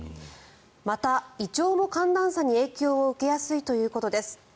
また、胃腸も寒暖差に影響を受けやすいということです。